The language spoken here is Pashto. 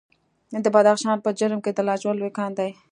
د بدخشان په جرم کې د لاجوردو لوی کان دی.